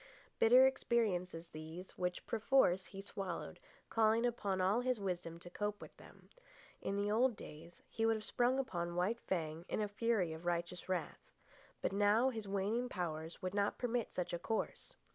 Bitter experiences these, which, perforce, he swallowed, calling upon all his wisdom to cope with them. In the old days he would have sprung upon White Fang in a fury of righteous wrath. But now his waning powers would not permit such a course.